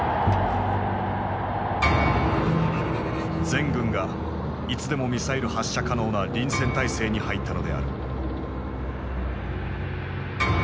全軍がいつでもミサイル発射可能な臨戦態勢に入ったのである。